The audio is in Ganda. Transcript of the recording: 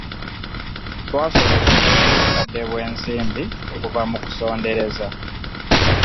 Twasobola okuweza obukadde bw'ensimbi okuva mu kusondereza.